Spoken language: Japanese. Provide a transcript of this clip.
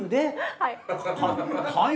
はい。